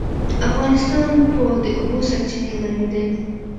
افغانستان په د اوبو سرچینې غني دی.